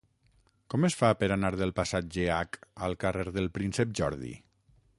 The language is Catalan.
Com es fa per anar del passatge Hac al carrer del Príncep Jordi?